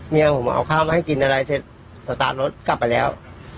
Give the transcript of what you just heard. เมียผมเอาข้าวมาให้กินอะไรเสร็จสตาร์ทรถกลับไปแล้ว